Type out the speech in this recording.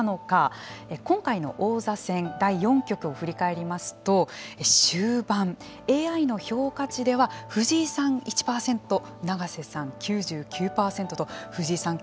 今回の王座戦第４局を振り返りますと終盤、ＡＩの評価値では藤井さん、１％永瀬さん、９９％と藤井さん